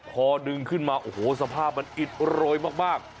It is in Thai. พอดึงขึ้นมาโอ้โหสภาพมันอิดโรยมาก